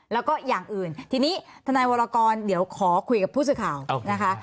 แล้วก็อย่างอื่นทีนี้ทนายวรกรเดี๋ยวขอคุยกับผู้สื่อข่าวนะคะ